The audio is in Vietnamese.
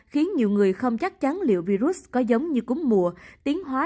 khiến nhiều người không chắc chắn liệu virus có giống như cúm mùa tiến hóa